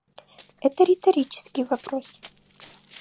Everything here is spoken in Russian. Это риторический вопрос.